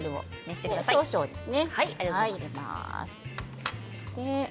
少々ですね。